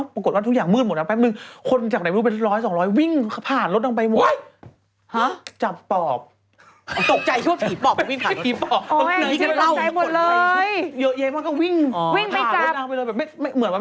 ปรากฏว่าทุกอย่างมื่นหมดแล้วปรากฏว่าคนจากไหนให้รู้ไหม